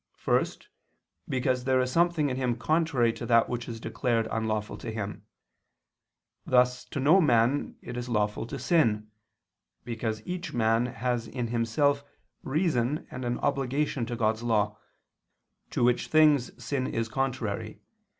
First, because there is something in him contrary to that which is declared unlawful to him: thus to no man is it lawful to sin, because each man has in himself reason and an obligation to God's law, to which things sin is contrary.